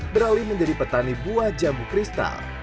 beralih menjadi petani buah jambu kristal